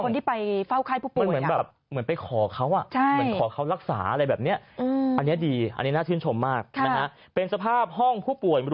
คนที่ไปเฝ้าไข้ผู้ป่วย